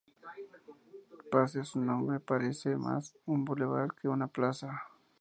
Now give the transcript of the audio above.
Pese a su nombre, parece más un bulevar que una plaza.